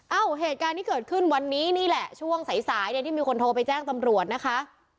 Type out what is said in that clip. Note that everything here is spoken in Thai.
เอ้าเหตุการณ์ที่เกิดขึ้นวันนี้นี่แหละช่วงสายสายเนี่ยที่มีคนโทรไปแจ้งตำรวจนะคะ